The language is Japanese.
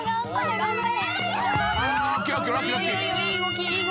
頑張れ！